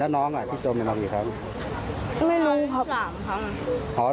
แล้วน้องอ่ะที่โจมตีน้องกี่ครั้งไม่รู้ครับ๓ครั้ง